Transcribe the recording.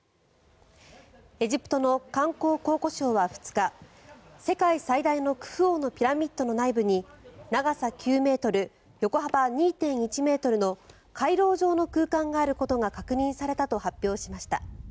エジプトの観光考古省は２日世界最大のクフ王のピラミッドの内部に長さ９ｍ、横幅２．１ｍの回廊状の空間があることが確認されたと発表しました。